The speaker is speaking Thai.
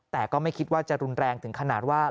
แต่ก็ไม่คิดว่าจะรุนแรงถึงขนาดว่า